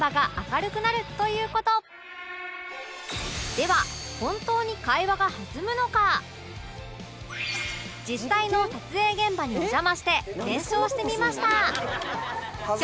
では実際の撮影現場にお邪魔して検証してみました